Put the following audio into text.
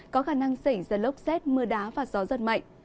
có khả năng xảy ra lốc xét mưa đá và gió giật mạnh